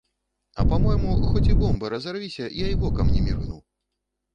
А па-мойму, хоць і бомба разарвіся, я і вокам не міргну.